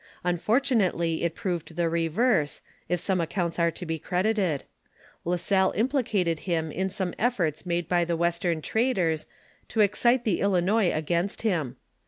Unfortunately it proved the reverae, if some accounts are to be credited; La Salle implicated him in some efibrts made by the western traders to excite the Ilinois against him.